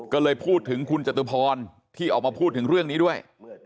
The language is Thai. ก็เลยพูดถึงคุณจตุพรที่ออกมาพูดถึงเรื่องนี้ด้วย